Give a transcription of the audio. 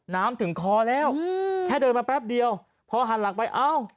น้ำถึงคอแล้วแค่เดินมาแป๊บเดียวพอหันหลังไปเอ้า